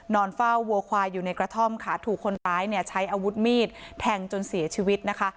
นอนเฝ้าวัวควายอยู่ในกระท่อมค่ะถูกคนร้ายเนี่ยใช้อาวุธมีดแทงจนเสียชีวิตนะคะ